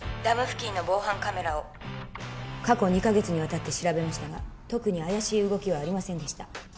ダム付近の防犯カメラを過去２カ月にわたって調べましたが特に怪しい動きはありませんでした